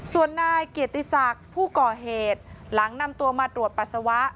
ส่วนนายเกียรติศักดิ์ผู้ก่อเหตุหลังนำตัวมาตรวจปัสสาวะ